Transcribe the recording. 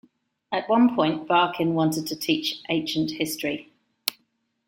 At one point, Barkin wanted to teach ancient history.